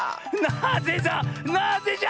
なぜじゃ⁉